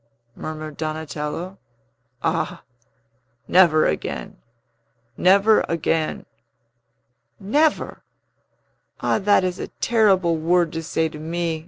murmured Donatello. "Ah, never again! never again!" "Never? Ah, that is a terrible word to say to me!"